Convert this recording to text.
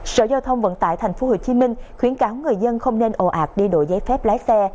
sở giao thông vận tải tp hcm khuyến cáo người dân không nên ồ ạc đi đổi giấy phép lái xe